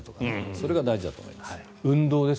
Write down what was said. それが大事だと思います。